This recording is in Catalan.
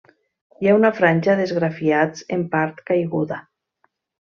Hi ha una franja d'esgrafiats, en part caiguda.